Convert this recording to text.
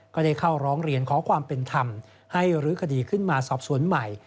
ก็ได้เข้าร้องเรียนขอความเป็นธรรมให้รื้อคดีขึ้นมาสอบสวนใหม่